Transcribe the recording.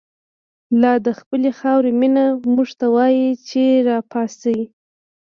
لا دخپلی خاوری مینه، مونږ ته وایی چه ر ا پا څۍ